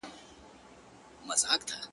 • خو هيڅ حل نه پيدا کيږي..